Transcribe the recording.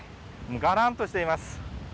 がらんとしています。